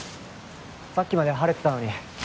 さっきまで晴れてたのに。